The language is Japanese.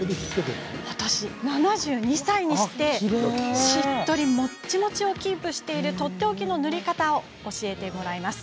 ７２歳にしてしっとりもちもちをキープしているとっておきの塗り方を教えてもらいます。